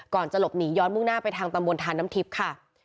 จะหลบหนีย้อนมุ่งหน้าไปทางตำบลทานน้ำทิพย์ค่ะ